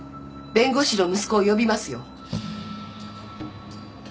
弁護士の息子を呼びますよ。